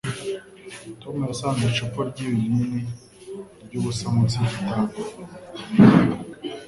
Tom yasanze icupa ryibinini ryubusa munsi yigitanda.